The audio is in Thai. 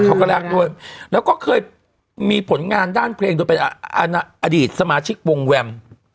เขาก็รักด้วยแล้วก็เคยมีผลงานด้านเพลงโดยเป็นอดีตสมาชิกวงแวม